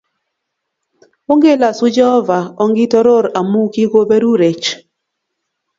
Ongelosu Jehovah, ongetoror amu kikoberurech